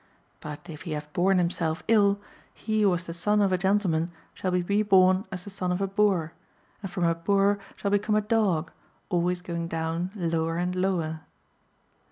But if he have borne himself ill, he who was the son of a gentleman shall be reborn as the son of a boor, and from a boor shall become a dogf, always going down lower and lower.